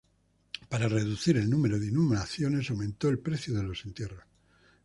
Para reducir el número de inhumaciones, se aumentó el precio de los entierros.